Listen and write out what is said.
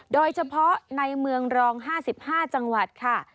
โดยเฉพาะในเมืองรอง๕๕จังหวัดค่ะ